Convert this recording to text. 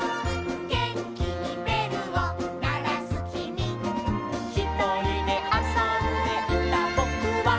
「げんきにべるをならすきみ」「ひとりであそんでいたぼくは」